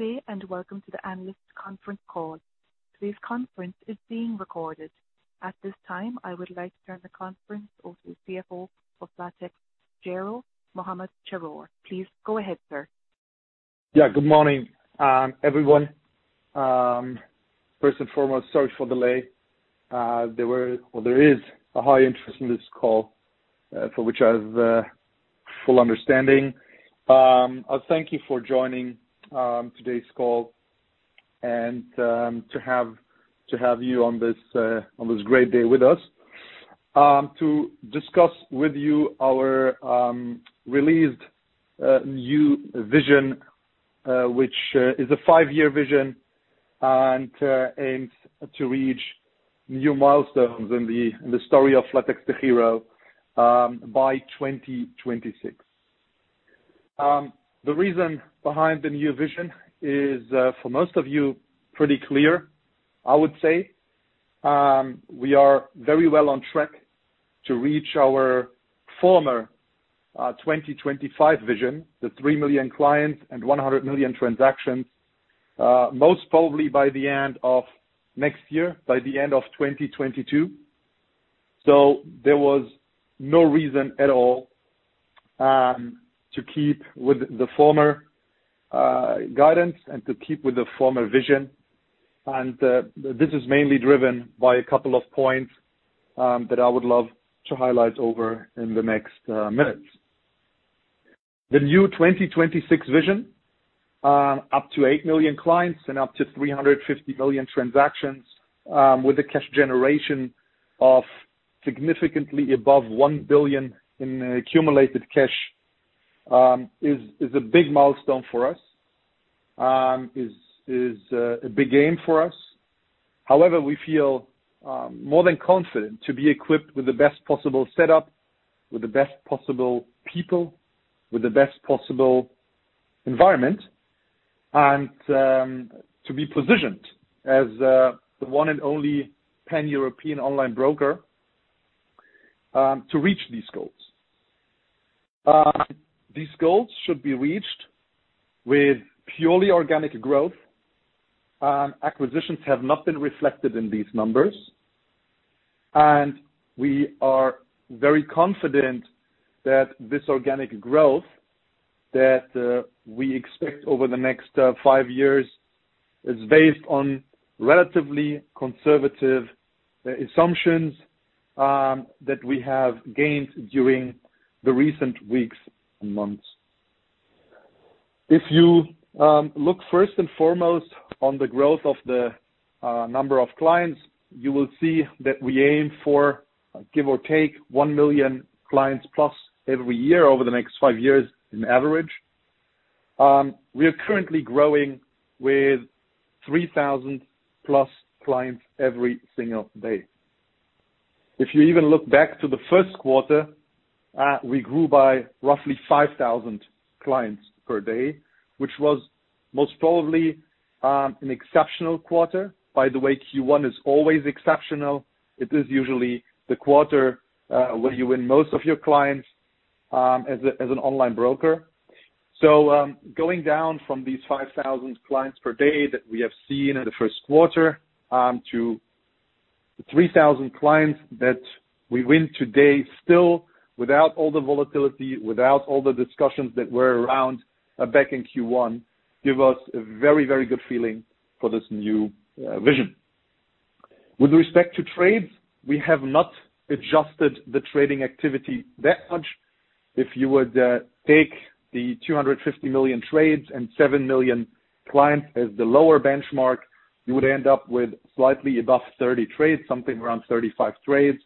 Good day and welcome to the analyst conference call. Today's conference is being recorded. At this time, I would like to turn the conference over to CFO of flatexDEGIRO, Muhamad Chahrour. Please go ahead, sir. Yeah. Good morning, everyone. First and foremost, sorry for the delay. There is a high interest in this call, for which I have a full understanding. Thank you for joining today's call and to have you on this great day with us to discuss with you our released new vision, which is a five-year vision and aims to reach new milestones in the story of flatexDEGIRO by 2026. The reason behind the new vision is, for most of you, pretty clear, I would say. We are very well on track to reach our former 2025 vision, the 3 million clients and 100 million transactions, most probably by the end of next year, by the end of 2022. There was no reason at all to keep with the former guidance and to keep with the former vision. This is mainly driven by a couple of points that I would love to highlight over in the next minutes. The new 2026 vision, up to 8 million clients and up to 350 million transactions with a cash generation of significantly above 1 billion in accumulated cash, is a big milestone for us, is a big aim for us. However, we feel more than confident to be equipped with the best possible setup, with the best possible people, with the best possible environment, and to be positioned as the one and only pan-European online broker to reach these goals. These goals should be reached with purely organic growth. Acquisitions have not been reflected in these numbers, and we are very confident that this organic growth that we expect over the next five years is based on relatively conservative assumptions that we have gained during the recent weeks and months. If you look first and foremost on the growth of the number of clients, you will see that we aim for, give or take, 1 million+ clients every year over the next five years in average. We are currently growing with 3,000+ clients every single day. If you even look back to the first quarter, we grew by roughly 5,000 clients per day, which was most probably an exceptional quarter. By the way, Q1 is always exceptional. It is usually the quarter where you win most of your clients as an online broker. Going down from these 5,000 clients per day that we have seen in the first quarter to 3,000 clients that we win today, still, without all the volatility, without all the discussions that were around back in Q1, give us a very, very good feeling for this new vision. With respect to trades, we have not adjusted the trading activity that much. If you would take the 250 million trades and 7 million clients as the lower benchmark, you would end up with slightly above 30 trades, something around 35 trades,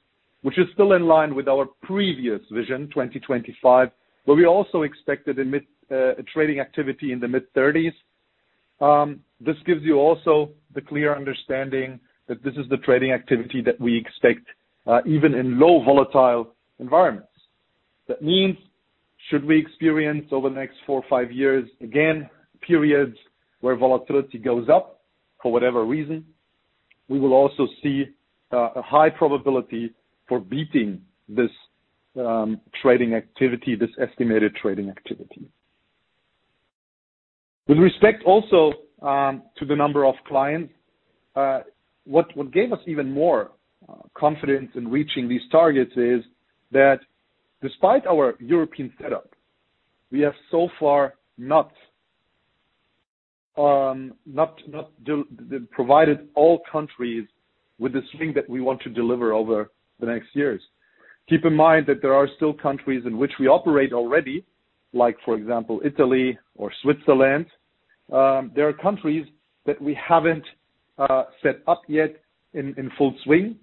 which is still in line with our previous Vision 2025, where we also expected a trading activity in the mid-30s. This gives you also the clear understanding that this is the trading activity that we expect even in low volatile environments. That means should we experience over the next four or five years, again, periods where volatility goes up for whatever reason, we will also see a high probability for beating this estimated trading activity. With respect also to the number of clients, what gave us even more confidence in reaching these targets is that despite our European setup, we have so far not provided all countries with this thing that we want to deliver over the next years. Keep in mind that there are still countries in which we operate already, like for example, Italy or Switzerland. There are countries that we haven't set up yet in full swing,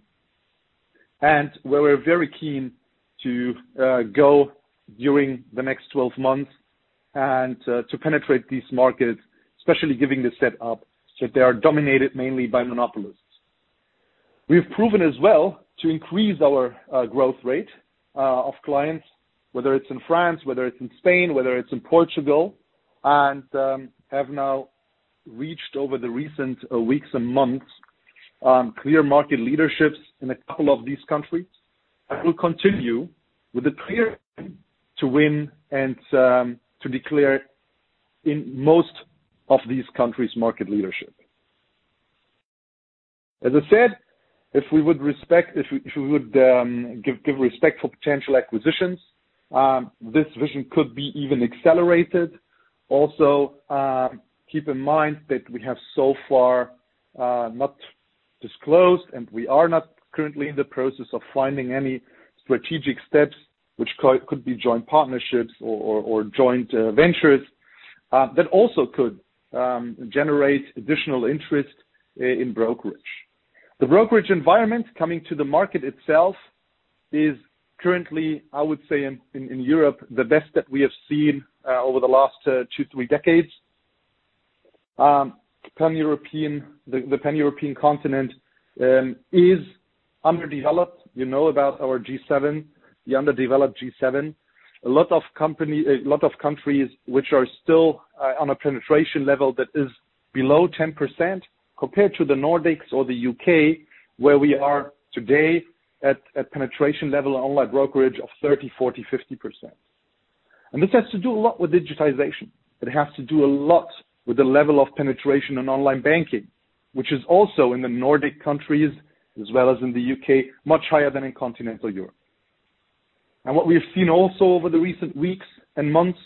and where we're very keen to go during the next 12 months and to penetrate these markets, especially given the set up, so they are dominated mainly by monopolists. We've proven as well to increase our growth rate of clients, whether it's in France, whether it's in Spain, whether it's in Portugal, and have now reached over the recent weeks and months clear market leaderships in a couple of these countries, and we'll continue with a clear aim to win and to be clear in most of these countries, market leadership. As I said, if we would give respect for potential acquisitions, this vision could be even accelerated. Also, keep in mind that we have so far not disclosed, and we are not currently in the process of finding any strategic steps which could be joint partnerships or joint ventures that also could generate additional interest in brokerage. The brokerage environment coming to the market itself is currently, I would say, in Europe, the best that we have seen over the last two to three decades. The pan-European continent is underdeveloped. You know about our G7, the underdeveloped G7. A lot of countries which are still on a penetration level that is below 10% compared to the Nordics or the U.K., where we are today at penetration level online brokerage of 30%, 40%, 50%. This has to do a lot with digitization. It has to do a lot with the level of penetration in online banking, which is also in the Nordic countries, as well as in the U.K., much higher than in Continental Europe. What we've seen also over the recent weeks and months,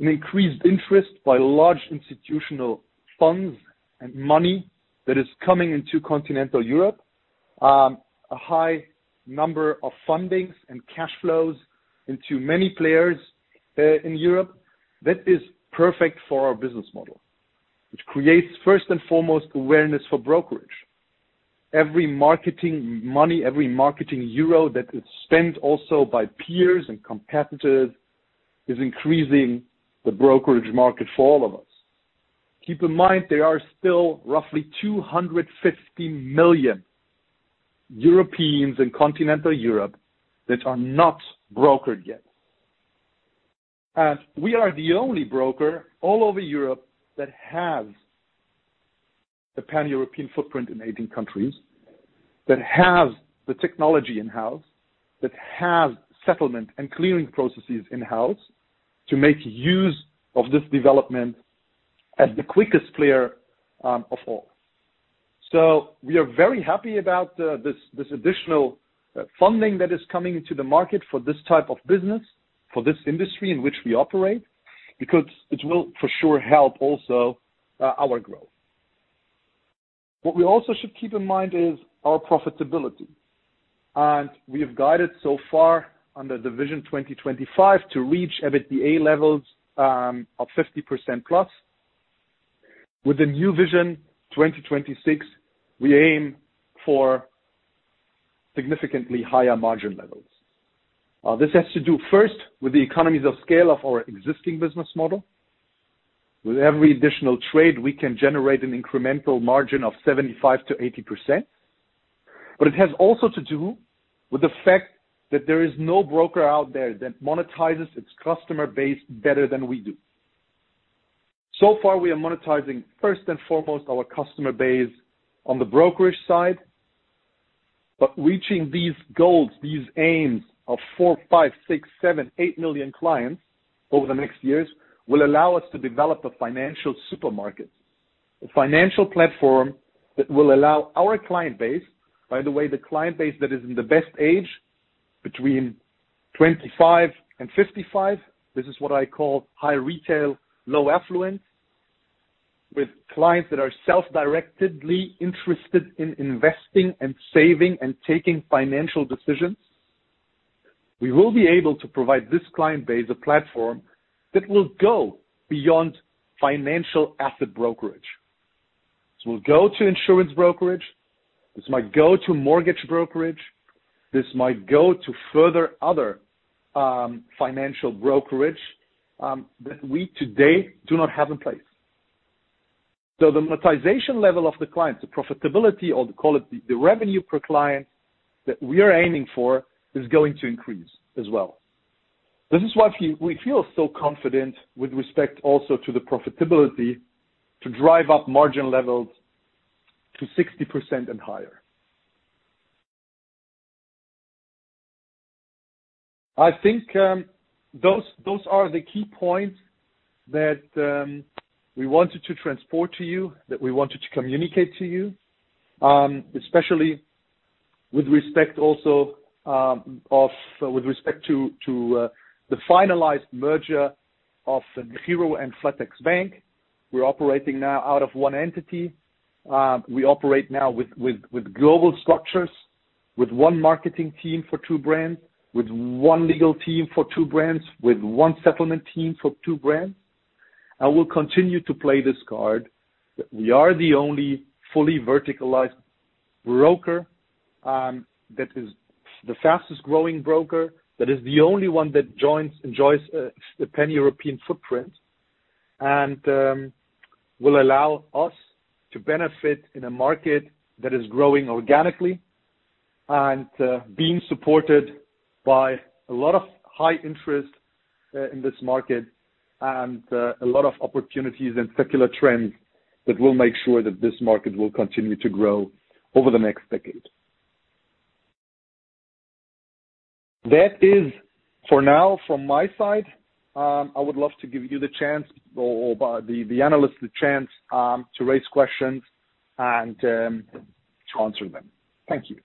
an increased interest by large institutional funds and money that is coming into Continental Europe, a high number of fundings and cash flows into many players in Europe. That is perfect for our business model. It creates, first and foremost, awareness for brokerage. Every marketing money, every marketing euro that is spent also by peers and competitors, is increasing the brokerage market for all of us. Keep in mind, there are still roughly 250 million Europeans in Continental Europe that are not brokered yet. We are the only broker all over Europe that has a pan-European footprint in 18 countries, that have the technology in-house, that have settlement and clearing processes in-house to make use of this development as the quickest player of all. We are very happy about this additional funding that is coming into the market for this type of business, for this industry in which we operate, because it will for sure help also our growth. What we also should keep in mind is our profitability, and we have guided so far under the Vision 2025 to reach EBITDA levels of 50%+. With the new Vision 2026, we aim for significantly higher margin levels. This has to do first with the economies of scale of our existing business model. With every additional trade, we can generate an incremental margin of 75%-80%. It has also to do with the fact that there is no broker out there that monetizes its customer base better than we do. So far, we are monetizing first and foremost our customer base on the brokerage side. Reaching these goals, these aims of 4, 5, 6, 7, 8 million clients over the next years will allow us to develop a financial supermarket. A financial platform that will allow our client base, by the way, the client base that is in the best age, between 25 and 55. This is what I call high retail, low affluent, with clients that are self-directedly interested in investing and saving and taking financial decisions. We will be able to provide this client base a platform that will go beyond financial asset brokerage. This will go to insurance brokerage. This might go to mortgage brokerage. This might go to further other financial brokerage that we to date do not have in place. The monetization level of the clients, the profitability or the quality, the revenue per client that we are aiming for is going to increase as well. This is why we feel so confident with respect also to the profitability to drive up margin levels to 60% and higher. I think those are the key points that we wanted to transport to you, that we wanted to communicate to you, especially with respect to the finalized merger of DEGIRO and flatex Bank. We're operating now out of one entity. We operate now with global structures, with one marketing team for two brands, with one legal team for two brands, with one settlement team for two brands. We'll continue to play this card, that we are the only fully verticalized broker, that is the fastest growing broker, that is the only one that enjoys the pan-European footprint and will allow us to benefit in a market that is growing organically and being supported by a lot of high interest in this market and a lot of opportunities and secular trends that will make sure that this market will continue to grow over the next decade. That is for now from my side. I would love to give the analyst the chance to raise questions and answer them. Thank you.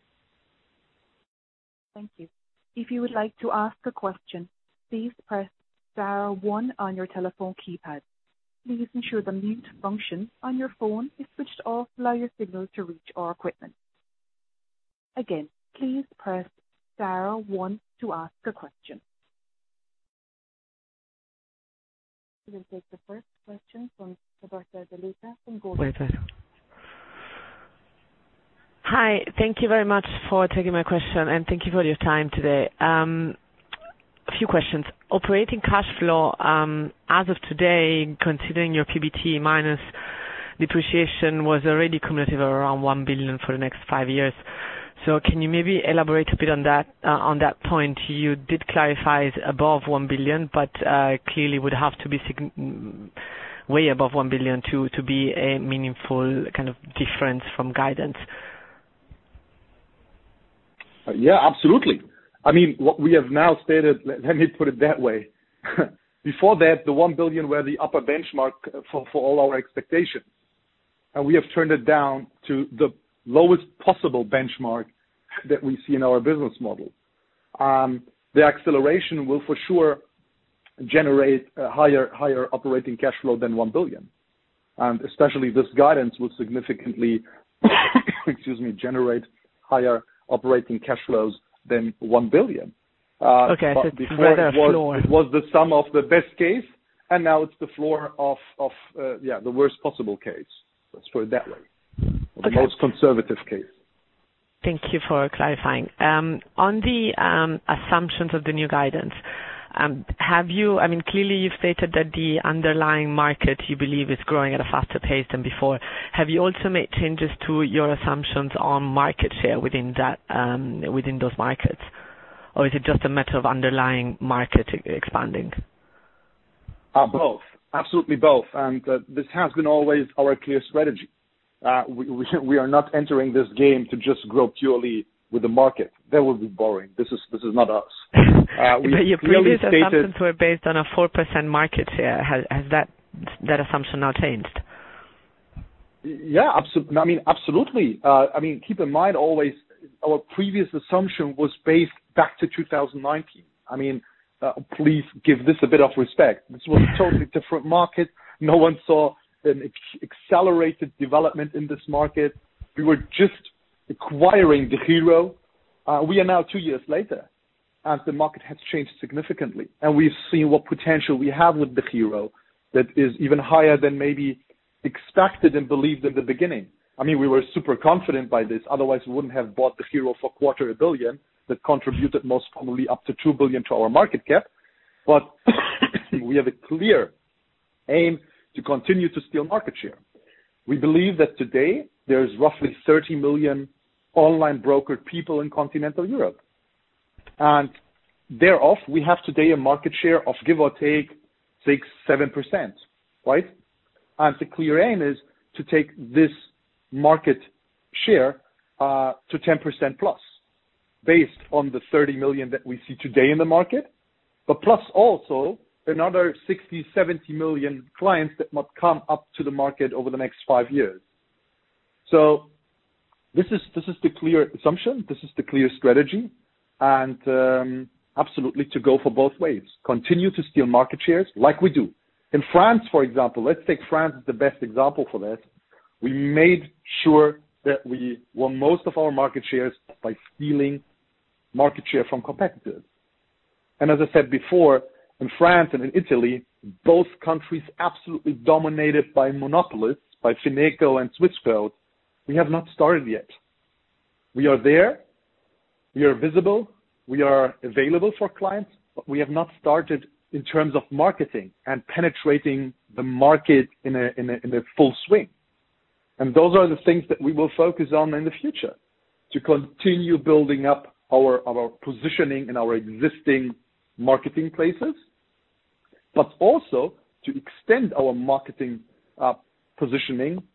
Thank you. If you would like to ask a question, please press star one on your telephone keypad. Please ensure the mute function on your phone is switched off via signal to reach our equipment. Again, please press star one to ask a question. We will take the first question from Roberta De Luca from Goldman Sachs. Hi. Thank you very much for taking my question, and thank you for your time today. A few questions. Operating cash flow as of today, considering your PBT minus depreciation was already cumulative around 1 billion for the next five years. Can you maybe elaborate a bit on that point? You did clarify it above 1 billion, but clearly would have to be way above 1 billion to be a meaningful kind of difference from guidance. Yeah, absolutely. What we have now stated, let me put it that way. Before that, the 1 billion were the upper benchmark for all our expectations, and we have turned it down to the lowest possible benchmark that we see in our business model. The acceleration will for sure generate a higher operating cash flow than 1 billion, and especially this guidance will significantly generate higher operating cash flows than 1 billion. Before that was the sum of the best case, and now it's the floor of the worst possible case. Let's put it that way, or the most conservative case. Thank you for clarifying. On the assumptions of the new guidance, clearly you've stated that the underlying market you believe is growing at a faster pace than before. Have you also made changes to your assumptions on market share within those markets, or is it just a matter of underlying market expanding? Both. Absolutely both. This has been always our clear strategy. We are not entering this game to just grow purely with the market. That would be boring. This is not us. We have clearly stated. Your previous assumptions were based on a 4% market share. Has that assumption now changed? Yeah, absolutely. Keep in mind always, our previous assumption was based back to 2019. Please give this a bit of respect. This was a totally different market. No one saw an accelerated development in this market. We were just acquiring DEGIRO. We are now two years later, as the market has changed significantly, and we've seen what potential we have with DEGIRO that is even higher than maybe expected and believed in the beginning. We were super confident by this, otherwise we wouldn't have bought DEGIRO for 0.25 billion. That contributed most commonly up to 2 billion to our market cap. We have a clear aim to continue to steal market share. We believe that today there's roughly 30 million online brokered people in Continental Europe, and thereof, we have today a market share of give or take 6%, 7%. Right? The clear aim is to take this market share to 10%+ based on the 30 million that we see today in the market. Plus also another 60, 70 million clients that might come up to the market over the next five years. This is the clear assumption. This is the clear strategy and absolutely to go for both ways, continue to steal market shares like we do. In France, for example, let's take France as the best example for this. We made sure that we won most of our market shares by stealing market share from competitors. As I said before, in France and in Italy, both countries absolutely dominated by monopolists, by Fineco and Swissquote, we have not started yet. We are there. We are visible. We are available for clients, but we have not started in terms of marketing and penetrating the market in a full swing. Those are the things that we will focus on in the future, to continue building up our positioning in our existing marketing places, but also to extend our marketing positioning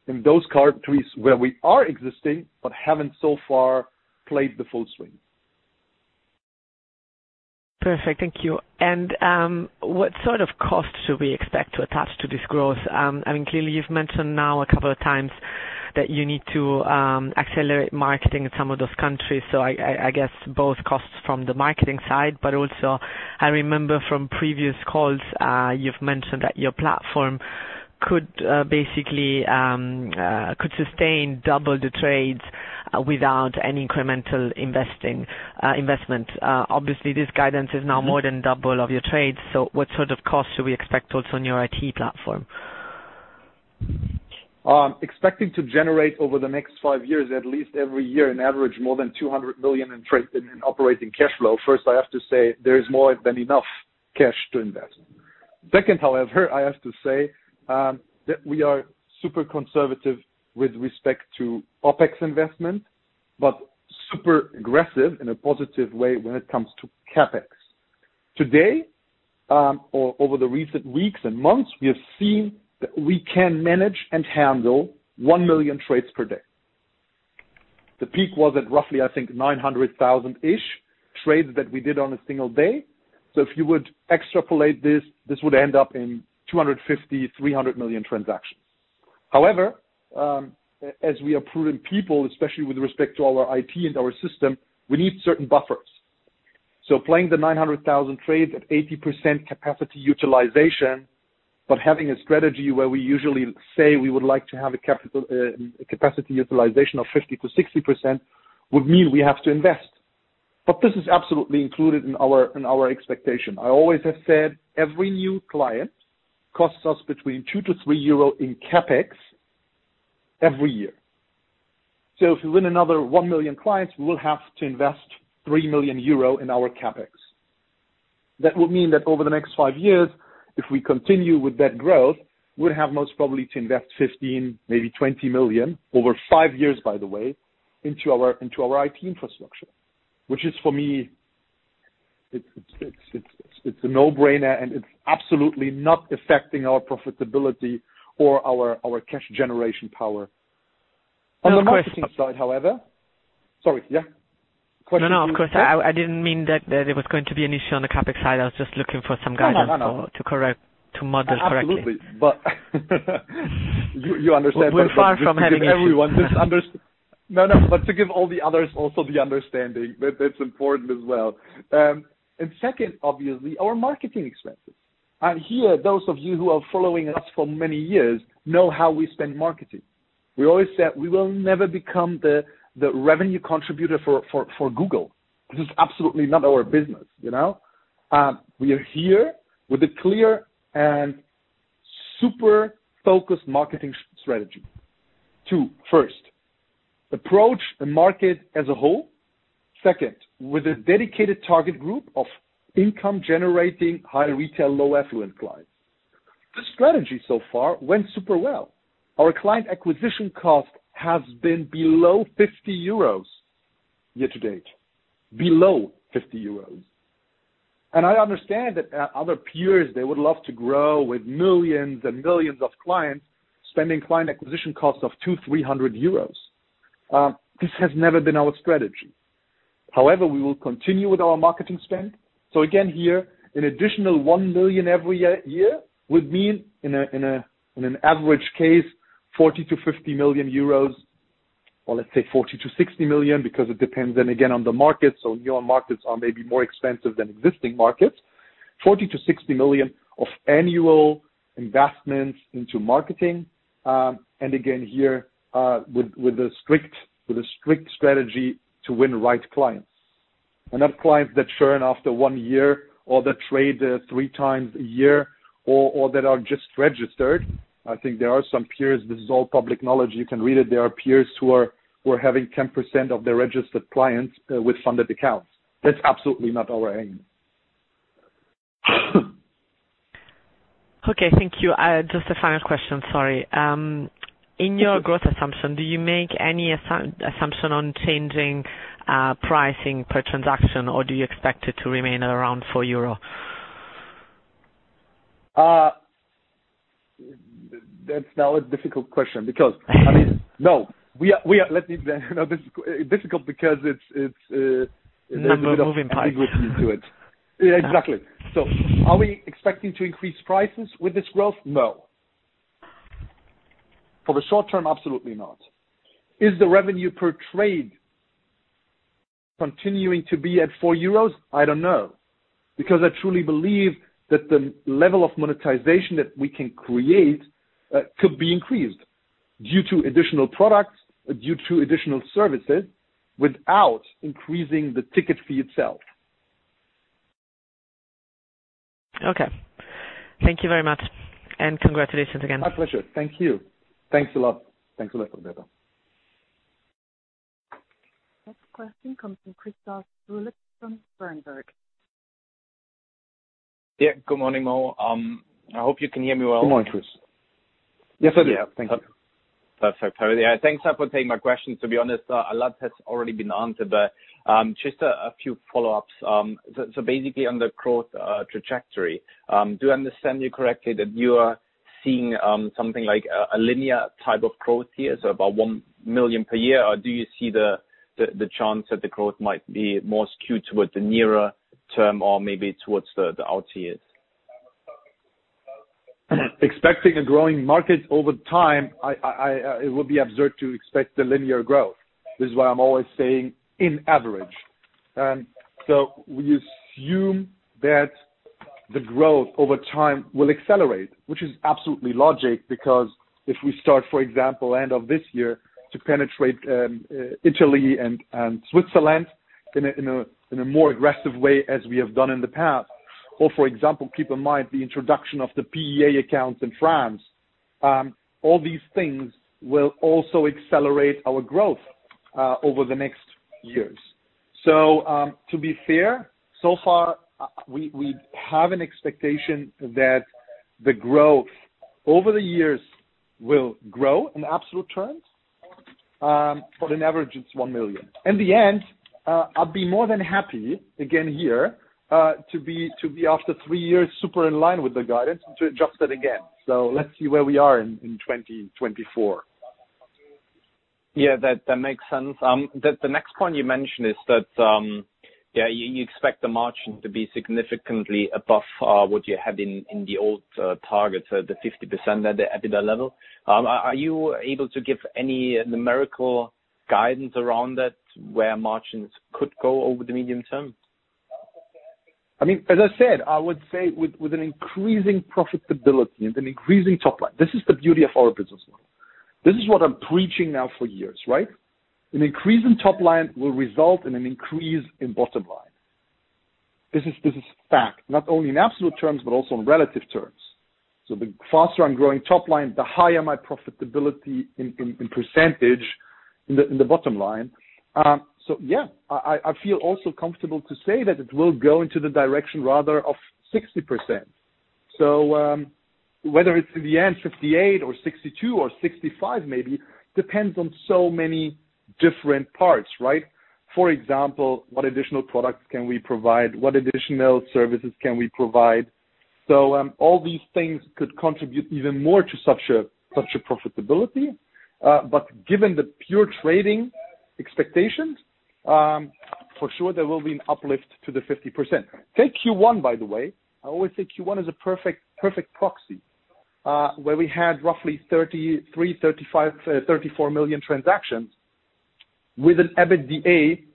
in those countries where we are existing but haven't so far played the full swing. Perfect, thank you. What sort of costs should we expect to attach to this growth? Clearly you've mentioned now a couple of times that you need to accelerate marketing in some of those countries. I guess both costs from the marketing side, but also I remember from previous calls, you've mentioned that your platform could sustain double the trades without any incremental investment. Obviously, this guidance is now more than double of your trades, so what sort of cost should we expect also on your IT platform? Expecting to generate over the next five years, at least every year, an average more than 200 million in operating cash flow. First, I have to say there's more than enough cash to invest. Second, however, I have to say that we are super conservative with respect to OpEx investment, but super aggressive in a positive way when it comes to CapEx. Today, or over the recent weeks and months, we have seen that we can manage and handle 1 million trades per day. The peak was at roughly, I think, 900,000-ish trades that we did on a single day. If you would extrapolate this would end up in 250 million, 300 million transactions. However, as we are prudent people, especially with respect to our IT and our system, we need certain buffers. Playing the 900,000 trades at 80% capacity utilization, but having a strategy where we usually say we would like to have a capacity utilization of 50%-60% would mean we have to invest. This is absolutely included in our expectation. I always have said every new client costs us between 2-3 euro in CapEx every year. If we win another 1 million clients, we will have to invest 3 million euro in our CapEx. That would mean that over the next five years, if we continue with that growth, we'd have most probably to invest 15 million, maybe 20 million, over five years, by the way, into our IT infrastructure, which is for me, it's a no-brainer, and it's absolutely not affecting our profitability or our cash generation power. On the CapEx side, however. Sorry. Yeah, question please. No, of course, I didn't mean that there was going to be an issue on the CapEx side. I was just looking for some guidance. No, absolutely. to model correctly. You understand that we're transparent with everyone. For future reference. To give all the others also the understanding, that's important as well. Second, obviously, our marketing expenses. Here, those of you who are following us for many years know how we spend marketing. We always said we will never become the revenue contributor for Google. This is absolutely not our business. We are here with a clear and super focused marketing strategy to, first, approach the market as a whole. Second, with a dedicated target group of income-generating high retail, low affluent clients. This strategy so far went super well. Our client acquisition cost has been below 50 euros year to date. Below 50 euros. I understand that our peers, they would love to grow with millions and millions of clients spending client acquisition costs of 200, 300 euros. This has never been our strategy. However, we will continue with our marketing spend. Again, here, an additional 1 million every year would mean, in an average case, 40 million-50 million euros, or let's say 40 million-60 million, because it depends again on the market. Newer markets are maybe more expensive than existing markets. 40 million-60 million of annual investment into marketing, again here, with a strict strategy to win right clients. Not clients that churn after one year or that trade three times a year or that are just registered. I think there are some peers, this is all public knowledge, you can read it. There are peers who are having 10% of their registered clients with funded accounts. That's absolutely not our aim. Okay, thank you. Just a final question. Sorry. In your growth assumption, do you make any assumption on changing pricing per transaction, or do you expect it to remain around 4 euro? That's now a difficult question because, I mean, no. Difficult because. We're not moving prices. tied deeply to it. Exactly. Are we expecting to increase prices with this growth? No. For the short-term, absolutely not. Is the revenue per trade continuing to be at 4 euros? I don't know, because I truly believe that the level of monetization that we can create could be increased due to additional products, due to additional services, without increasing the ticket fee itself. Okay. Thank you very much, and congratulations again. My pleasure. Thank you. Thanks a lot. Thanks a lot, Roberta. Next question comes from Christoph Greulich from Berenberg. Yeah, good morning all. I hope you can hear me well. Good morning, Chris. Yes, I do. Perfect. Thanks for taking my question. To be honest, a lot has already been answered, but just a few follow-ups. Basically on the growth trajectory, do I understand you correctly that you are seeing something like a linear type of growth here, so about 1 million per year, or do you see the chance that the growth might be more skewed towards the nearer term or maybe towards the out years? Expecting a growing market over time, it would be absurd to expect a linear growth. This is why I'm always saying in average. We assume that the growth over time will accelerate, which is absolutely logic because if we start, for example, end of this year to penetrate Italy and Switzerland in a more aggressive way as we have done in the past, or for example, keep in mind the introduction of the PEA accounts in France. All these things will also accelerate our growth over the next years. To be fair, so far, we have an expectation that the growth over the years will grow in absolute terms. But on average, it's 1 million. In the end, I'd be more than happy, again here, to be after three years, super in line with the guidance, to adjust that again. Let's see where we are in 2024. Yeah, that makes sense. The next point you mentioned is that you expect the margin to be significantly above what you had in the old targets, the 50% EBITDA level. Are you able to give any numerical guidance around that, where margins could go over the medium-term? As I said, I would say with an increasing profitability and an increasing top line, this is the beauty of our business model. This is what I'm preaching now for years. An increase in top line will result in an increase in bottom line. This is fact, not only in absolute terms, but also in relative terms. The faster I'm growing top line, the higher my profitability in percentage in the bottom line. Yeah, I feel also comfortable to say that it will go into the direction rather of 60%. Whether it's in the end 58% or 62% or 65% maybe, depends on so many different parts, right? For example, what additional products can we provide? What additional services can we provide? All these things could contribute even more to such a profitability. Given the pure trading expectations, for sure, there will be an uplift to the 50%. Take Q1, by the way. I always say Q1 is a perfect proxy, where we had roughly 33, 35, 34 million transactions with an EBITDA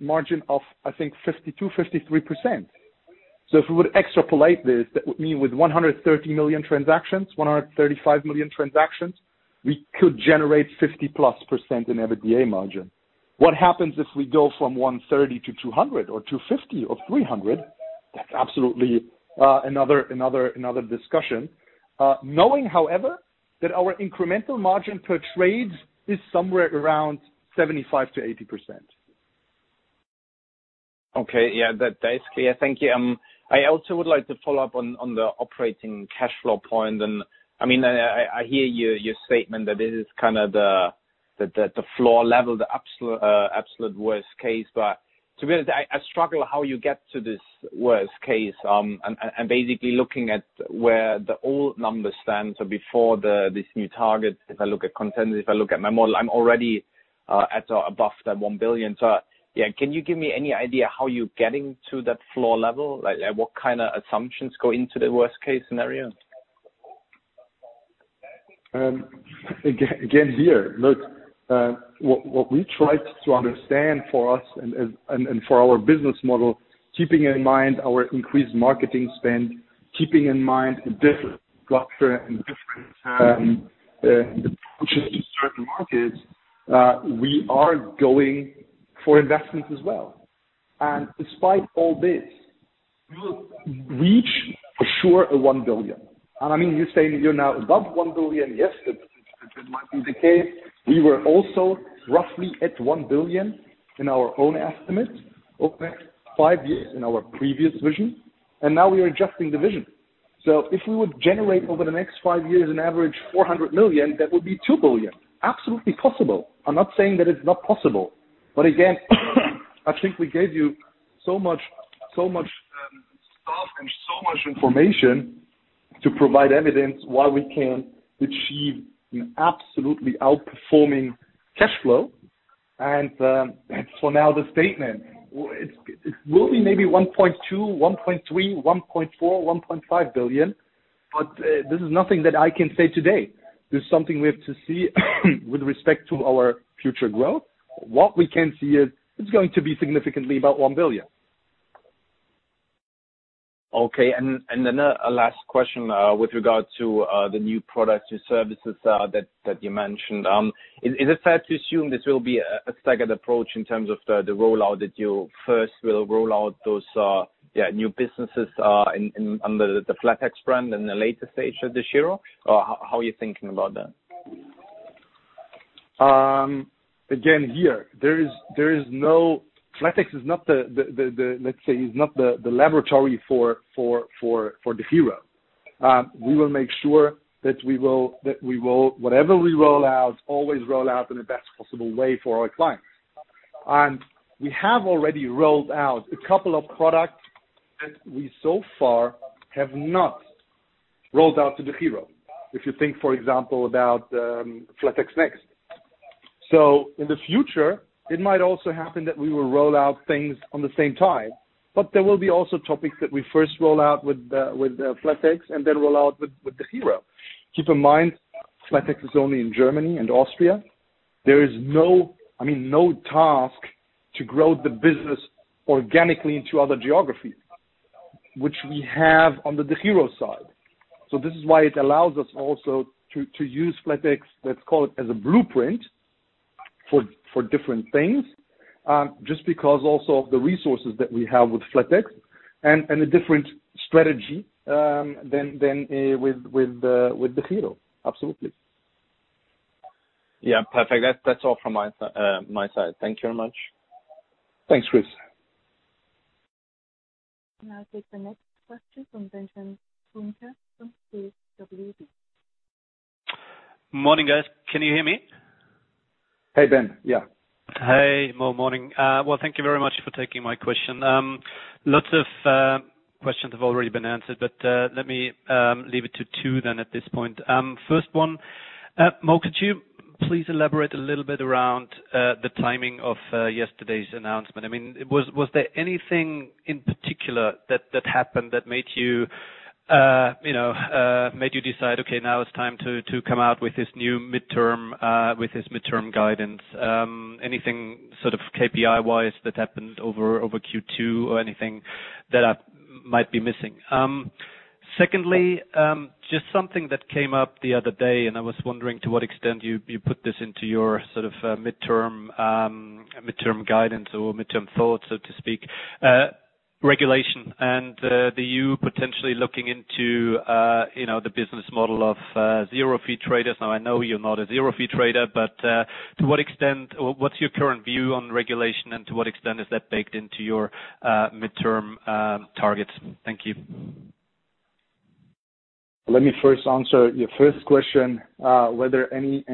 margin of, I think 52%, 53%. If we would extrapolate this, that would mean with 130 million transactions, 135 million transactions, we could generate 50%+ in EBITDA margin. What happens if we go from 130 to 200 million or 250 million or 300 million? That's absolutely another discussion. Knowing, however, that our incremental margin per trade is somewhere around 75%-80%. Okay. Yeah, that's clear. Thank you. I also would like to follow up on the operating cash flow point, and I hear your statement that this is kind of the floor level, the absolute worst case. To be honest, I struggle how you get to this worst case. I'm basically looking at where the old numbers stand. Before this new target, if I look at contenders, if I look at my model, I'm already at above that 1 billion. Yeah, can you give me any idea how you're getting to that floor level? What kind of assumptions go into the worst case scenario? Again, here, look, what we try to understand for us and for our business model, keeping in mind our increased marketing spend, keeping in mind a different structure and different approaches to certain markets, we are going for investments as well. Despite all this, look, we reach for sure a 1 billion. You're saying you're now above 1 billion, yes, that might be the case. We were also roughly at 1 billion in our own estimate over the next five years in our previous vision, and now we are adjusting the vision. If we would generate over the next five years an average 400 million, that would be 2 billion. Absolutely possible. I'm not saying that it's not possible, but again, I think we gave you so much stuff and so much information to provide evidence why we can achieve an absolutely outperforming cash flow. Now the statement, it will be maybe 1.2 billion, 1.3 billion, 1.4 billion, 1.5 billion, but this is nothing that I can say today. This is something we have to see with respect to our future growth. What we can see is it's going to be significantly above 1 billion. Okay, a last question with regard to the new products and services that you mentioned. Is it fair to assume this will be a staggered approach in terms of the rollout, that you first will roll out those new businesses on the flatex brand in the later stage of the DEGIRO? How are you thinking about that? Again, here, flatex let's say is not the laboratory for DEGIRO. We will make sure that whatever we roll out, always roll out in the best possible way for our clients. We have already rolled out a couple of products that we so far have not rolled out to DEGIRO. If you think, for example, about flatex next. In the future, it might also happen that we will roll out things on the same time. There will be also topics that we first roll out with flatex and then roll out with DEGIRO. Keep in mind, flatex is only in Germany and Austria. There is no task to grow the business organically to other geographies, which we have on the DEGIRO side. This is why it allows us also to use flatex, let's call it as a blueprint for different things, just because also of the resources that we have with flatex and a different strategy than with DEGIRO, absolutely. Yeah, perfect. That's all from my side. Thank you very much. Thanks, Chris. I'll take the next question from Benjamin Kohnke from KBW. Morning, guys. Can you hear me? Hey, Ben. Yeah. Hey, well, morning. Thank you very much for taking my question. Lots of questions have already been answered, let me leave it to two then at this point. First one, Mo, could you please elaborate a little bit around the timing of yesterday's announcement? Was there anything in particular that happened that made you decide, "Okay, now it's time to come out with this new midterm guidance?" Anything sort of KPI-wise that happened over Q2 or anything that I might be missing? Secondly, just something that came up the other day, and I was wondering to what extent you put this into your sort of midterm guidance or midterm thoughts, so to speak. Regulation and the EU potentially looking into the business model of zero-fee traders. I know you're not a zero-fee trader, but to what extent, or what's your current view on regulation and to what extent is that baked into your midterm targets? Thank you. Let me first answer your first question, whether any,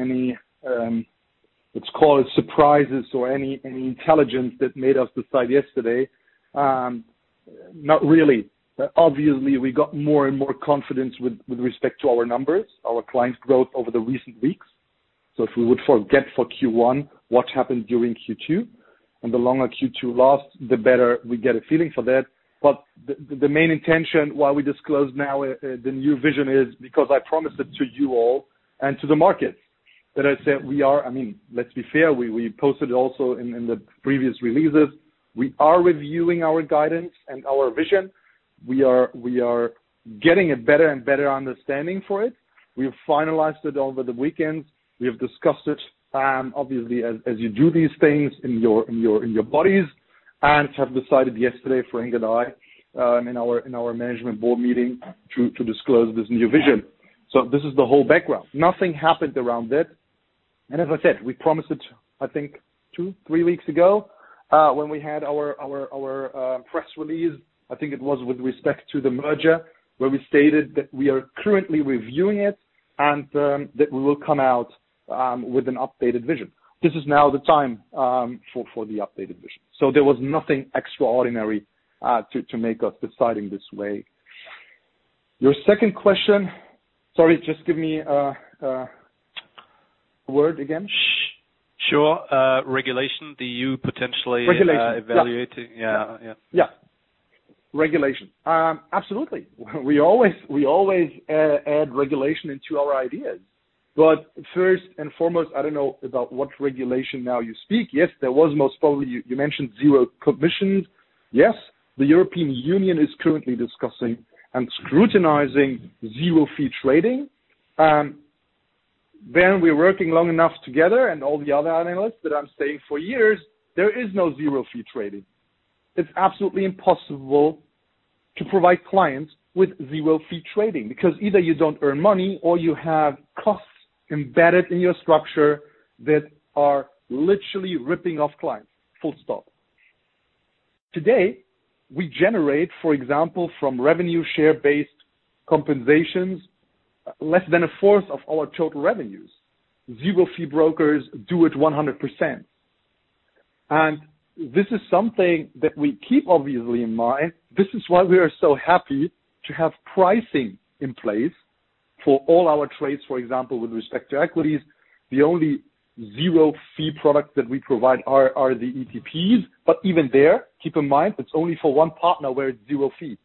let's call it surprises or any intelligence that made us decide yesterday. Not really. Obviously, we got more and more confidence with respect to our numbers, our clients' growth over the recent weeks. If we would forget for Q1 what happened during Q2, and the longer Q2 lasts, the better we get a feeling for that. The main intention why we disclose now the new vision is because I promised it to you all and to the market that I said, let's be fair, we posted also in the previous releases, we are reviewing our guidance and our vision. We are getting a better and better understanding for it. We've finalized it over the weekend. We have discussed it, obviously, as you do these things in your bodies, and have decided yesterday, Frank and I, in our management board meeting to disclose this new vision. This is the whole background. Nothing happened around it. As I said, we promised it, I think two, three weeks ago, when we had our press release, I think it was with respect to the merger, where we stated that we are currently reviewing it and that we will come out with an updated vision. This is now the time for the updated vision. There was nothing extraordinary to make us decide in this way. Your second question, sorry, just give me the word again. Sure. Regulation, the EU potentially. Regulation. evaluating. Yeah. Yeah. Regulation. Absolutely. We always add regulation into our ideas. First and foremost, I don't know about what regulation now you speak. Yes, there was most probably, you mentioned zero commission. Yes, the European Union is currently discussing and scrutinizing zero-fee trading. Ben, we're working long enough together, and all the other analysts that I'm saying for years, there is no zero-fee trading. It's absolutely impossible to provide clients with zero-fee trading because either you don't earn money or you have costs embedded in your structure that are literally ripping off clients. Full stop. Today, we generate, for example, from revenue share-based compensations, less than 1/4 of our total revenues. Zero-fee brokers do it 100%. This is something that we keep obviously in mind. This is why we are so happy to have pricing in place for all our trades, for example, with respect to equities. The only zero-fee product that we provide are the ETP. Even there, keep in mind, it's only for one partner we're zero fee.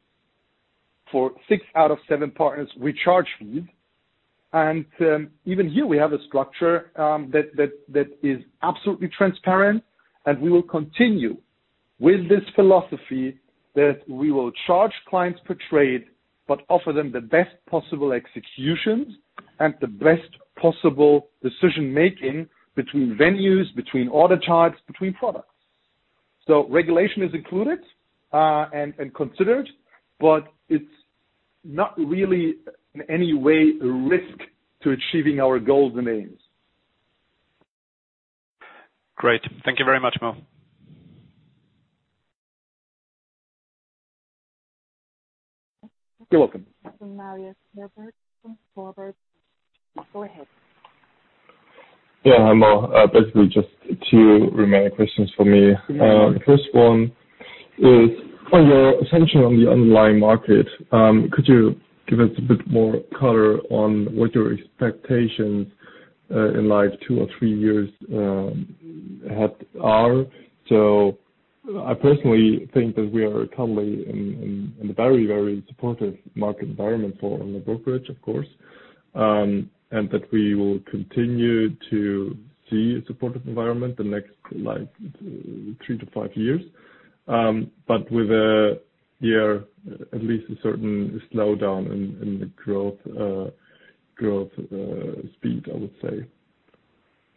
For six out of seven partners, we charge fees. Even here we have a structure that is absolutely transparent, and we will continue with this philosophy that we will charge clients per trade, but offer them the best possible executions and the best possible decision-making between venues, between order types, between products. Regulation is included and considered, but it's not really in any way a risk to achieving our goals and aims. Great. Thank you very much, Mo. You're welcome. Marius Fuhrberg from Warburg. Go ahead. Yeah. Hi, Mo. Basically just two remaining questions for me. First one is on your attention on the underlying market. Could you give us a bit more color on what your expectations in two or three years ahead are? I personally think that we are currently in a very, very supportive market environment on the brokerage, of course, and that we will continue to see a supportive environment the next three to five years. With a year, at least a certain slowdown in the growth speed, I would say.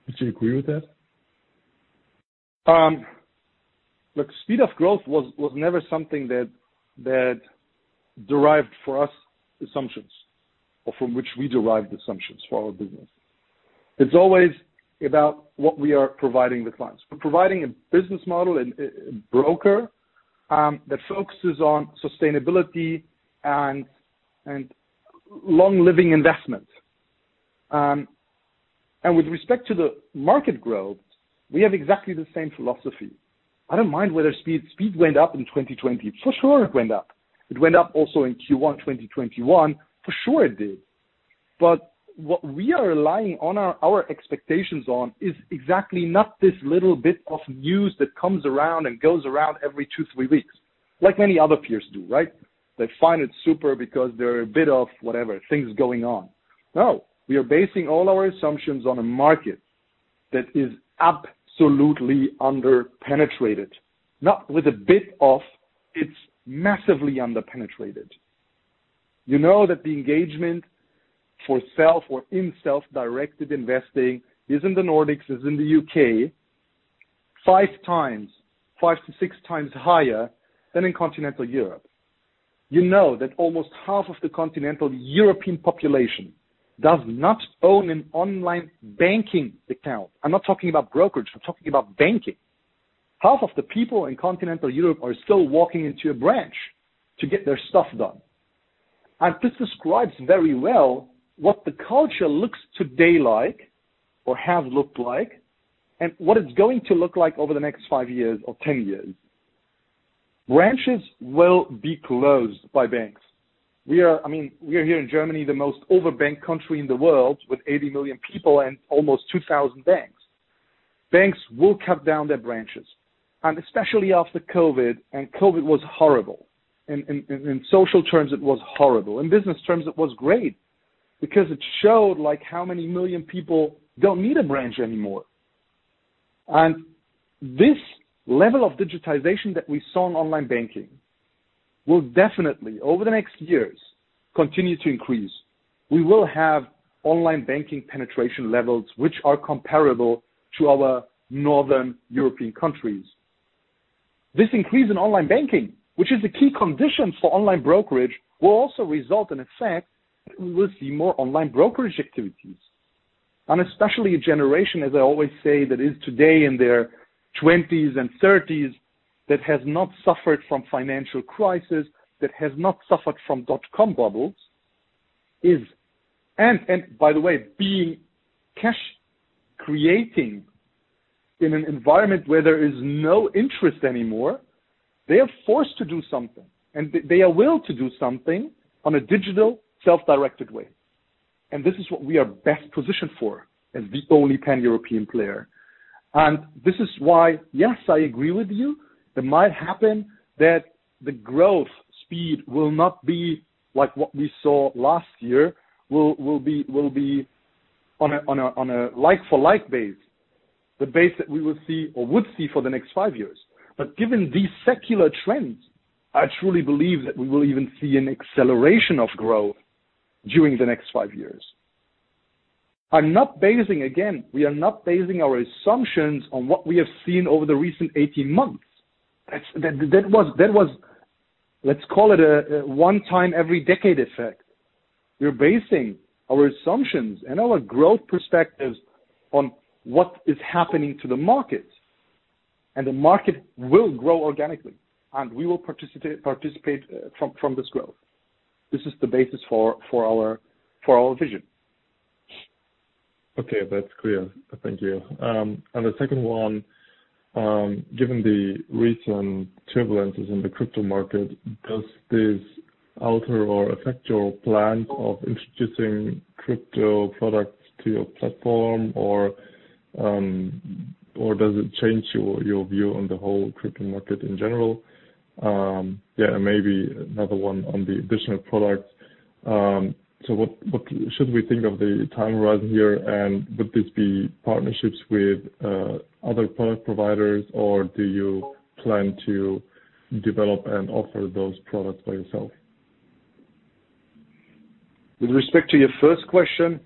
Would you agree with that? The speed of growth was never something that derived for us assumptions or from which we derived assumptions for our business. It's always about what we are providing the clients. We are providing a business model and broker that focuses on sustainability and long-living investment. With respect to the market growth, we have exactly the same philosophy. I don't mind whether speed went up in 2020. For sure, it went up. It went up also in Q1 2021. For sure, it did. What we are relying on our expectations on is exactly not this little bit of news that comes around and goes around every two, three weeks like any other peers do, right? They find it super because they are a bit of whatever things going on. No. We are basing all our assumptions on a market that is absolutely under-penetrated, not with a bit of, it is massively under-penetrated. You know that the engagement for self or in self-directed investing is in the Nordics, is in the U.K., 5x-6x higher than in Continental Europe. You know that almost half of the Continental European population does not own an online banking account. I'm not talking about brokerage, I'm talking about banking. Half of the people in Continental Europe are still walking into a branch to get their stuff done, and this describes very well what the culture looks today like or have looked like, and what it's going to look like over the next five years or 10 years. Branches will be closed by banks. We are here in Germany, the most over-banked country in the world with 80 million people and almost 2,000 banks. Banks will cut down their branches, and especially after COVID, and COVID was horrible. In social terms, it was horrible. In business terms, it was great because it showed how many million people don't need a branch anymore. This level of digitization that we saw in online banking will definitely, over the next years, continue to increase. We will have online banking penetration levels which are comparable to our Northern European countries. This increase in online banking, which is a key condition for online brokerage, will also result, in effect, that we will see more online brokerage activities. Especially a generation, as I always say, that is today in their 20s and 30s, that has not suffered from financial crisis, that has not suffered from dot-com bubbles, and by the way, being cash creating in an environment where there is no interest anymore, they are forced to do something, and they are willing to do something in a digital self-directed way. This is what we are best positioned for as the only Pan-European player. This is why, yes, I agree with you, it might happen that the growth speed will not be like what we saw last year. It will be on a like-for-like base, the base that we will see or would see for the next five years. Given these secular trends, I truly believe that we will even see an acceleration of growth during the next five years. Again, we are not basing our assumptions on what we have seen over the recent 18 months. That was, let's call it, a one-time every decade effect. We're basing our assumptions and our growth perspectives on what is happening to the market, and the market will grow organically, and we will participate from this growth. This is the basis for our vision. Okay. That's clear. Thank you. The second one, given the recent turbulences in the crypto market, does this alter or affect your plan of introducing crypto products to your platform? Or does it change your view on the whole crypto market in general? Maybe another one on the additional product. What should we think of the timeline here? Would this be partnerships with other product providers, or do you plan to develop and offer those products by yourself? With respect to your first question,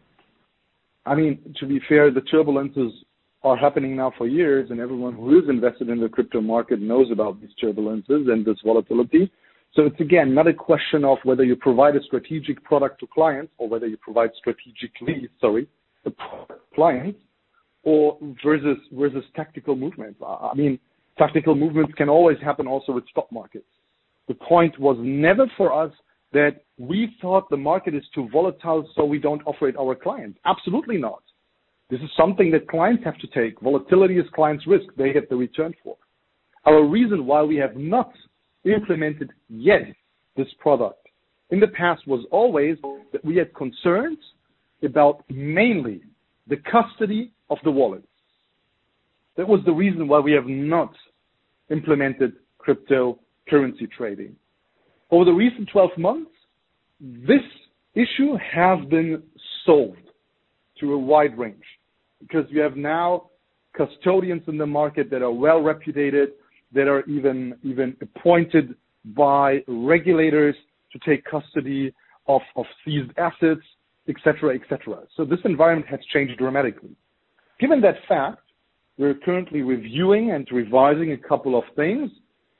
to be fair, the turbulences are happening now for years, and everyone who is invested in the crypto market knows about these turbulences and this volatility. It's again, not a question of whether you provide a strategic product to clients or whether you provide strategically, sorry, the product to clients, or versus tactical movement. Tactical movements can always happen also with stock markets. The point was never for us that we thought the market is too volatile, so we don't offer it to our clients. Absolutely not. This is something that clients have to take. Volatility is clients' risk they get the return for. Our reason why we have not implemented yet this product in the past was always that we had concerns about mainly the custody of the wallets. That was the reason why we have not implemented cryptocurrency trading. Over the recent 12 months, this issue has been solved to a wide range because we have now custodians in the market that are well-reputed, that are even appointed by regulators to take custody of these assets, et cetera. This environment has changed dramatically. Given that fact, we're currently reviewing and revising a couple of things,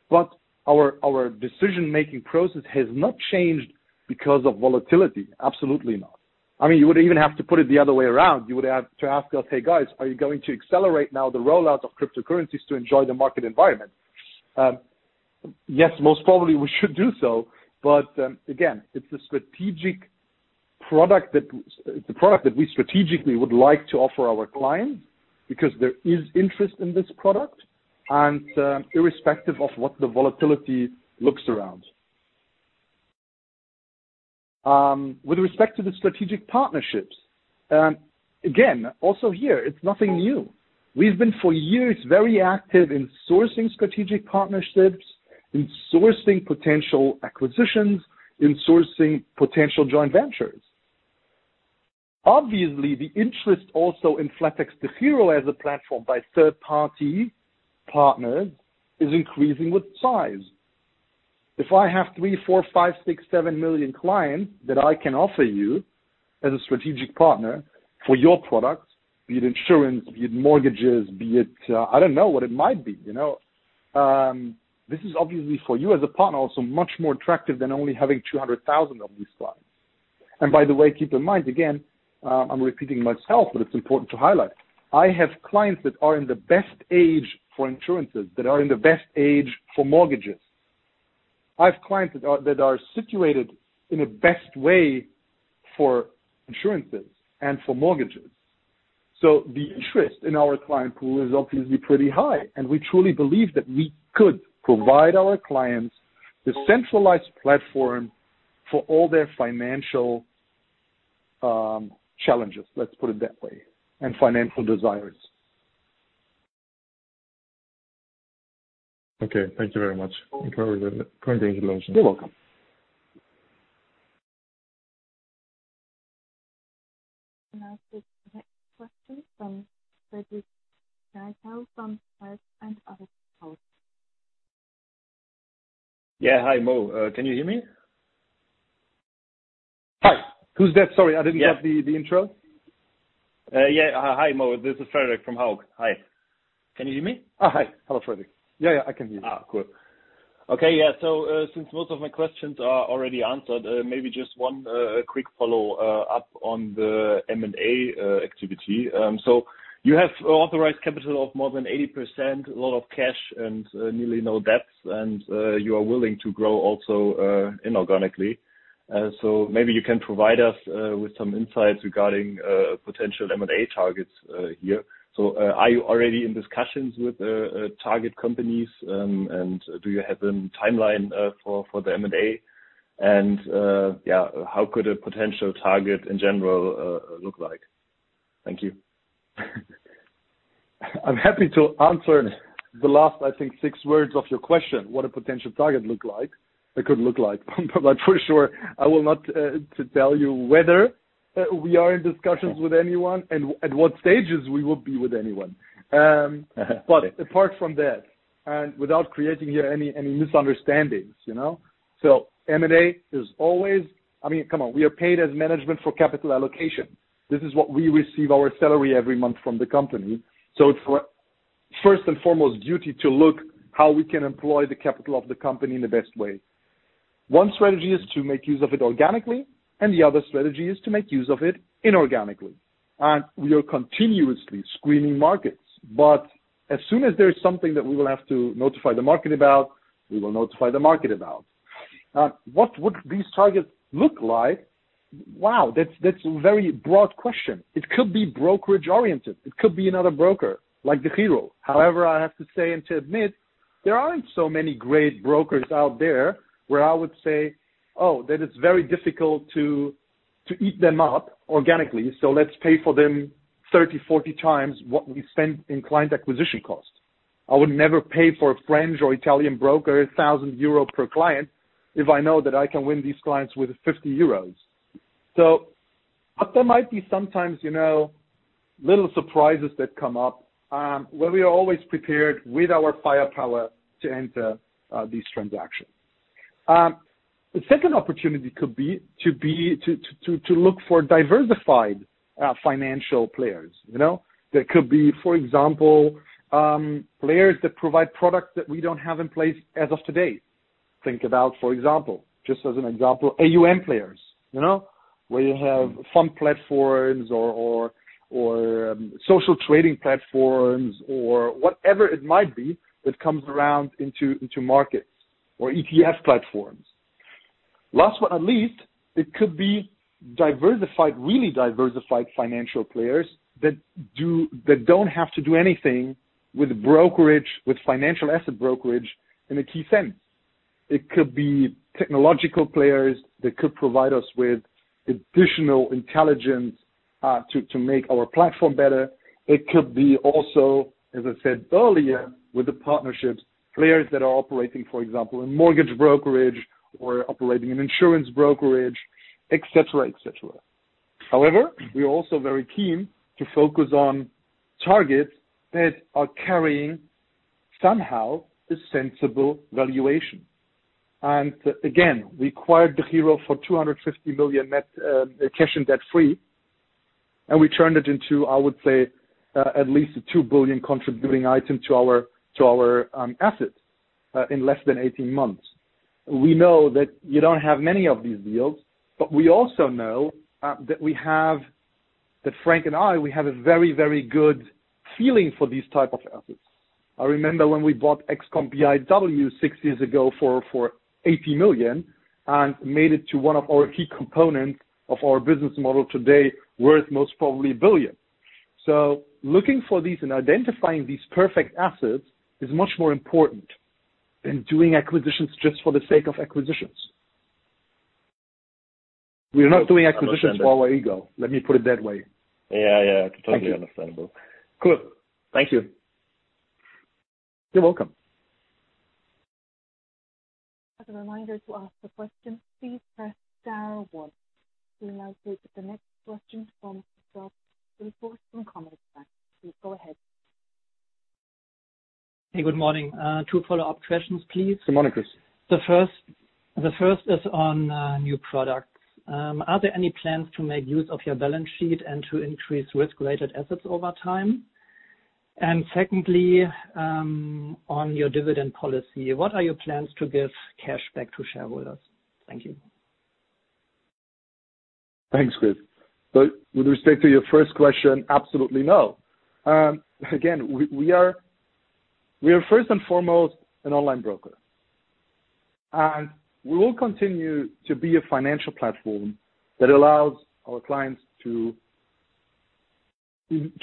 but our decision-making process has not changed because of volatility. Absolutely not. You would even have to put it the other way around. You would have to ask us, "Hey, guys, are you going to accelerate now the rollout of cryptocurrencies to enjoy the market environment?" Yes, most probably we should do so. Again, it's the product that we strategically would like to offer our clients because there is interest in this product and irrespective of what the volatility looks around. With respect to the strategic partnerships, again, also here, it's nothing new. We've been for years very active in sourcing strategic partnerships, in sourcing potential acquisitions, in sourcing potential joint ventures. Obviously, the interest also in flatexDEGIRO as a platform by third-party partners is increasing with size. If I have 3, 4, 5, 6, 7 million clients that I can offer you as a strategic partner for your products, be it insurance, be it mortgages, be it, I don't know what it might be. This is obviously for you as a partner also much more attractive than only having 200,000 of these clients. By the way, keep in mind, again, I'm repeating myself, but it's important to highlight, I have clients that are in the best age for insurances, that are in the best age for mortgages. I have clients that are situated in the best way for insurances and for mortgages. The interest in our client pool is obviously pretty high, and we truly believe that we could provide our clients with a centralized platform for all their financial challenges, let's put it that way, and financial desires. Okay. Thank you very much. You're welcome. Now the next question from Frederik Jarchow from Hauck & Aufhäuser. Yeah. Hi, Mo. Can you hear me? Hi. Who's that? Sorry, I didn't get the intro. Yeah. Hi, Mo. This is Frederik from Hauck. Hi. Can you hear me? Hi, Frederik. Yeah, I can hear you. Good. Okay. Yeah. Since most of my questions are already answered, maybe just one quick follow-up on the M&A activity. You have authorized capital of more than 80%, a lot of cash, and nearly no debts, and you are willing to grow also inorganically. Maybe you can provide us with some insights regarding potential M&A targets here. Are you already in discussions with target companies, and do you have any timeline for the M&A? Yeah, how could a potential target in general look like? Thank you. I'm happy to answer the last, I think, six words of your question, what a potential target look like. It could look like, but for sure, I will not tell you whether we are in discussions with anyone and at what stages we would be with anyone. Apart from that, and without creating here any misunderstandings. M&A is always, come on, we are paid as management for capital allocation. This is what we receive our salary every month from the company. It's our first and foremost duty to look how we can employ the capital of the company in the best way. One strategy is to make use of it organically, and the other strategy is to make use of it inorganically. We are continuously screening markets. As soon as there's something that we will have to notify the market about, we will notify the market about. What would these targets look like? Wow, that's a very broad question. It could be brokerage-oriented. It could be another broker like DEGIRO. However, I have to say and to admit, there aren't so many great brokers out there where I would say, "Oh, that it's very difficult to eat them up organically, so let's pay for them 30x, 40x what we spent in client acquisition costs." I would never pay for a French or Italian broker 1,000 euro per client if I know that I can win these clients with 50 euros. There might be sometimes little surprises that come up, where we are always prepared with our firepower to enter these transactions. The second opportunity could be to look for diversified financial players. That could be, for example, players that provide products that we don't have in place as of to date. Think about, for example, just as an example, AUM players. Where you have fund platforms or social trading platforms or whatever it might be that comes around into markets or ETF platforms. Last but not least, it could be diversified, really diversified financial players that don't have to do anything with brokerage, with financial asset brokerage in a key sense. It could be technological players that could provide us with additional intelligence to make our platform better. It could be also, as I said earlier, with the partnerships, players that are operating, for example, in mortgage brokerage or operating in insurance brokerage, et cetera. However, we're also very keen to focus on targets that are carrying somehow a sensible valuation. Again, we acquired DEGIRO for 250 million net cash and debt-free, and we turned it into, I would say, at least a 2 billion contributing item to our assets in less than 18 months. We know that you don't have many of these deals, but we also know that Frank and I have a very, very good feeling for these types of assets. I remember when we bought XCOM biw six years ago for 80 million and made it to one of our key components of our business model today, worth most probably 1 billion. Looking for these and identifying these perfect assets is much more important than doing acquisitions just for the sake of acquisitions. We're not doing acquisitions for our ego. Let me put it that way. Yeah. It's totally understandable. Cool. Thank you. You're welcome. As a reminder, to ask a question, please press star one. We now take the next question from Christoph Blieffert from Commerzbank. Please go ahead. Hey, good morning. Two follow-up questions, please. Good morning, Chris. The first is on new products. Are there any plans to make use of your balance sheet and to increase risk-weighted assets over time? Secondly, on your dividend policy, what are your plans to give cash back to shareholders? Thank you. Thanks, Chris. With respect to your first question, absolutely no. Again, we are first and foremost an online broker, and we will continue to be a financial platform that allows our clients to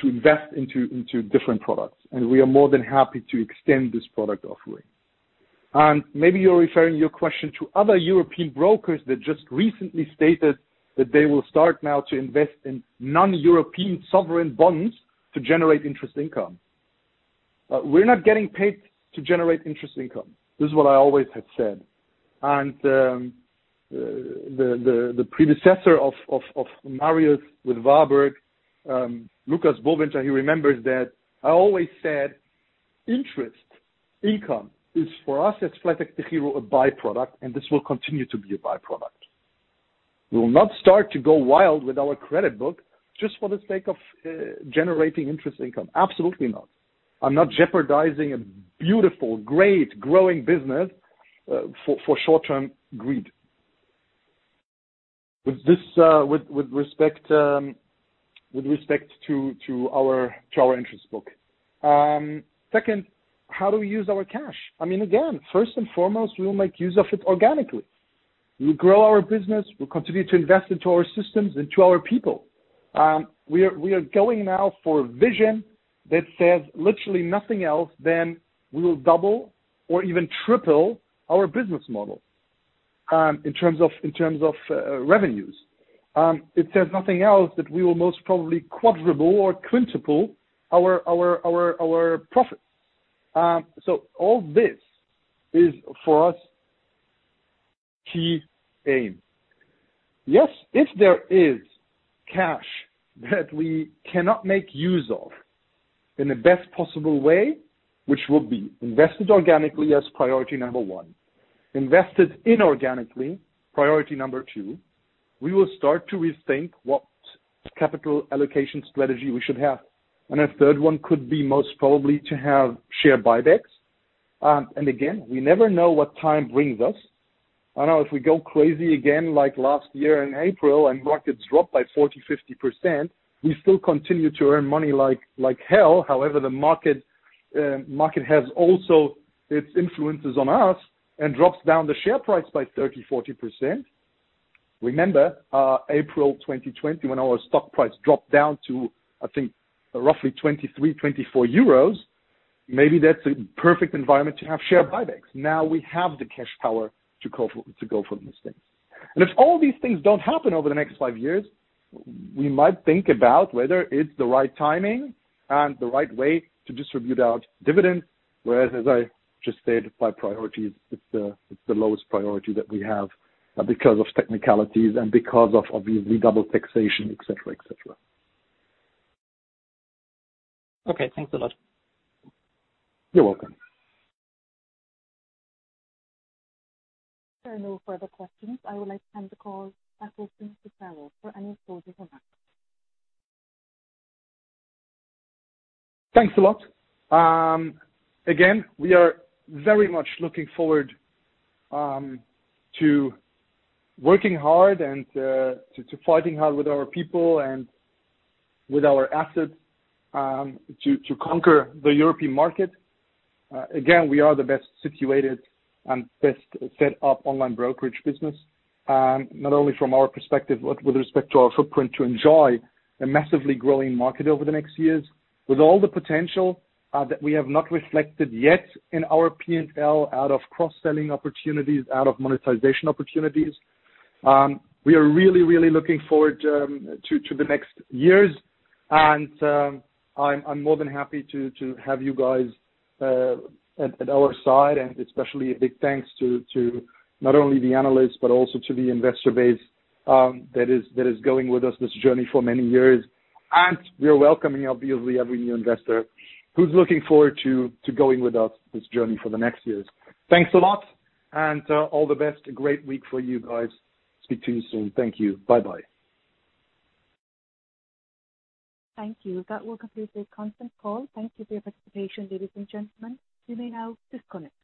invest in different products, and we are more than happy to extend this product offering. Maybe you're referring your question to other European brokers that just recently stated that they will start now to invest in non-European sovereign bonds to generate interest income. We're not getting paid to generate interest income. This is what I always have said. The predecessor of Marius with Warburg, Lucas Boventer, he remembers that I always said interest income is for us at flatexDEGIRO a by-product, and this will continue to be a by-product. We will not start to go wild with our credit book just for the sake of generating interest income. Absolutely not. I'm not jeopardizing a beautiful, great, growing business for short-term greed. With respect to our interest book. Second, how do we use our cash? Again, first and foremost, we'll make use of it organically. We'll grow our business. We'll continue to invest into our systems and to our people. We are going now for a vision that says literally nothing else than we will double or even triple our business model in terms of revenues. It says nothing else that we will most probably quadruple or quintuple our profits. All this is for us the key aim. Yes, if there is cash that we cannot make use of in the best possible way, which will be invested organically as priority number one, invested inorganically, priority number two, we will start to rethink what capital allocation strategy we should have. A third one could be most probably to have share buybacks. Again, we never know what time brings us. I don't know, if we go crazy again like last year in April and markets drop by 40%, 50%, we still continue to earn money like hell. However, the market has also its influences on us and drops down the share price by 30%, 40%. Remember, April 2020, when our stock price dropped down to, I think, roughly 23, 24 euros, maybe that's the perfect environment to have share buybacks. Now we have the cash power to go for these things. If all these things don't happen over the next five years, we might think about whether it's the right timing and the right way to distribute out dividends, whereas as I just said, by priorities, it's the lowest priority that we have because of technicalities and because of obviously double taxation, et cetera. Okay, thanks a lot. You're welcome. There are no further questions. I would like to hand the call back over to Mr. Chahrour for any closing remarks. Thanks a lot. Again, we are very much looking forward to working hard and to fighting hard with our people and with our assets to conquer the European market. Again, we are the best situated and best set up online brokerage business, not only from our perspective, but with respect to our footprint to enjoy a massively growing market over the next years with all the potential that we have not reflected yet in our P&L out of cross-selling opportunities, out of monetization opportunities. We are really, really looking forward to the next years, and I'm more than happy to have you guys at our side, and especially a big thanks to not only the analysts, but also to the investor base that is going with us this journey for many years. We are welcoming, obviously, every new investor who's looking forward to going with us this journey for the next years. Thanks a lot, and all the best. A great week for you guys. Speak to you soon. Thank you. Bye-bye. Thank you. That will conclude the conference call. Thank you for your participation, ladies and gentlemen. You may now disconnect.